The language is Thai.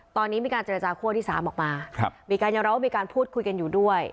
ตอนนี้มีการเจรจาคั่วที่๓ออกมามีการยอมรับว่ามีการพูดคุยกันอยู่ด้วย